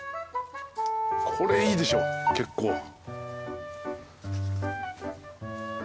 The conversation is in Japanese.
これいいでしょ結構。